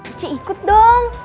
uci ikut dong